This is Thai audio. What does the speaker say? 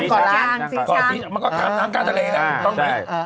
ไม่ต้องไป